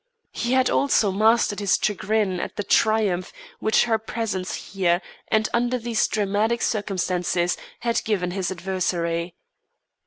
He had also mastered his chagrin at the triumph which her presence here, and under these dramatic circumstances, had given his adversary.